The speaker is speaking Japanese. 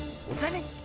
お金？